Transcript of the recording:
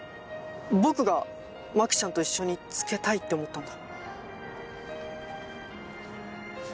僕がマキちゃんと一緒につけたいって思ったんだ。